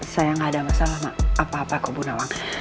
saya gak ada masalah apa apa kok bu nawang